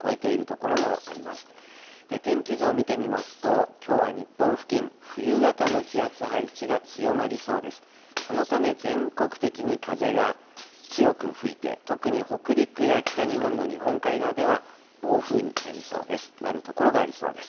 このため、全国的に風が強く吹いて、特に北陸や北日本の日本海側では、暴風になる所がありそうです。